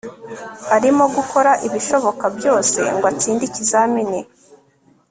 arimo gukora ibishoboka byose ngo atsinde ikizamini